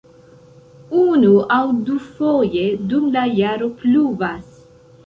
Unu- aŭ dufoje dum la jaro pluvas.